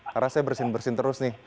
karena saya bersin bersin terus nih